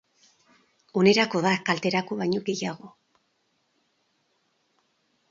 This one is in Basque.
Onerako da, kalterako baino gehiago.